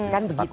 kan begitu kan